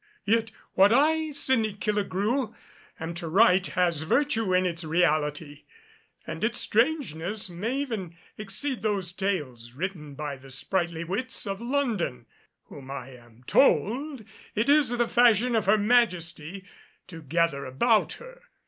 Yet, what I, Sydney Killigrew, am to write has virtue in its reality; and its strangeness may even exceed those tales written by the sprightly wits of London, whom I am told it is the fashion of Her Majesty to gather about her.